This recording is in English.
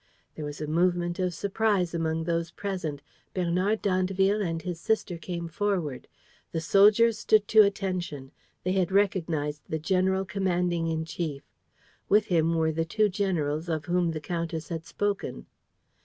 There was a movement of surprise among those present. Bernard d'Andeville and his sister came forward. The soldiers stood to attention. They had recognized the general commanding in chief. With him were the two generals of whom the countess had spoken.